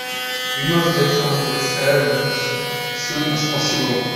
We must get some of that serum as soon as possible.